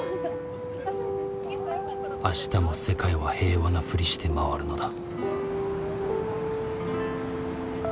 明日も世界は平和なふりして回るのだ。